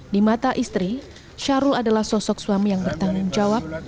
di mata istri syahrul adalah sosok suami yang bertanggung jawab